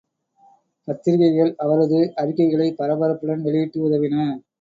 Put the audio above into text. பத்திரிக்கைகள் அவரது அறிக்கைகளைப் பரபரப்புடன் வெளியிட்டு உதவின.